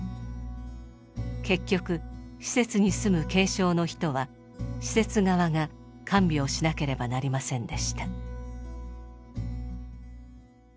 結局施設に住む軽症の人は施設側が看病しなければなりませんでした。